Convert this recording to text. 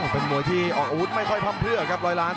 เป็นมวยที่ออกอาวุธไม่ค่อยพร่ำเพื่อครับร้อยล้าน